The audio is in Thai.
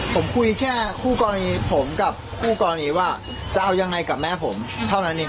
ผมคุยแค่คู่กรณีผมกับคู่กรณีว่าจะเอายังไงกับแม่ผมเท่านั้นเอง